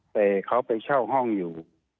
แต่เขาไปเช่าห้องอยู่